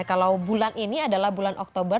kalau bulan ini adalah bulan oktober